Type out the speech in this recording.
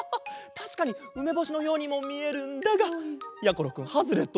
たしかにうめぼしのようにもみえるんだがやころくんハズレットだ。